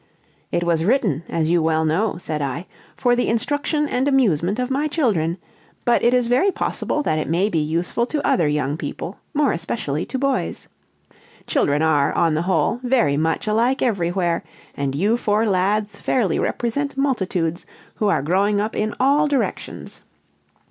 "It was written, as you well know," said I, "for the instruction and amusement of my children, but it is very possible that it may be useful to other young people, more especially to boys. "Children are, on the whole, very much alike everywhere, and you four lads fairly represent multitudes, who are growing up in all directions.